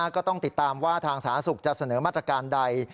ก็ต้องติดตามว่าทางสาธารณสุขจะเสนอมาตรการใด